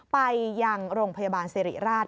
ไปยังโรงพยาบาลสิริราช